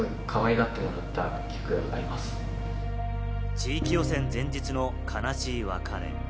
地域予選前日の悲しい別れ。